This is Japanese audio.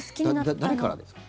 誰からですか？